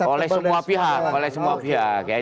oleh semua pihak